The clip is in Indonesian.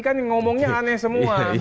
kan ngomongnya aneh semua